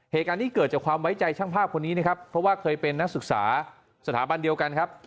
เหตุการณ์นี้เกิดจากความไว้ใจช่างภาพคนนี้นะครับเพราะว่าเคยเป็นนักศึกษาสถาบันเดียวกันครับ